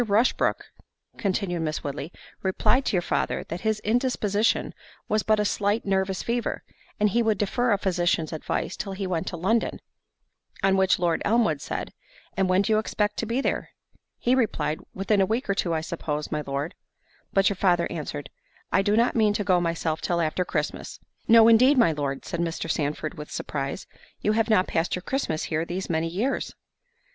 Rushbrook," continued Miss Woodley, "replied to your father, that his indisposition was but a slight nervous fever, and he would defer a physician's advice till he went to London"—on which Lord Elmwood said, "And when do you expect to be there?"—he replied, "Within a week or two, I suppose, my Lord." But your father answered, "I do not mean to go myself till after Christmas." "No indeed, my Lord!" said Mr. Sandford, with surprise: "you have not passed your Christmas here these many years."